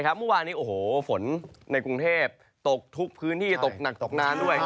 เมื่อวานนี้โอ้โหฝนในกรุงเทพตกทุกพื้นที่ตกหนักตกนานด้วย